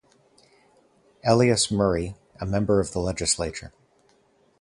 Elias Murray, a member of the legislature.